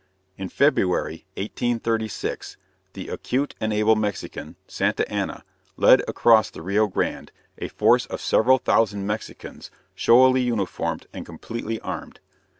In February, 1836, the acute and able Mexican, Santa Anna, led across the Rio Grande a force of several thousand Mexicans showily uniformed and completely armed.